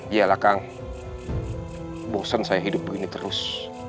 yalah kang bosan saya hidup begini terus